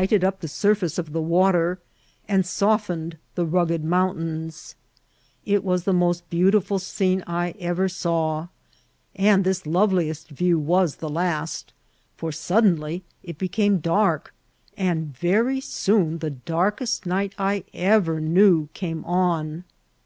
ed up the surface of the water, and softened the nigged mountains ; it was the most beautiftil scene I ever saw, and this lov^est view was the last; for suddenly it be came dark, and very soon the darkest ni^t I ever knew came on.